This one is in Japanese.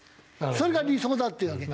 それが理想だって言うわけ。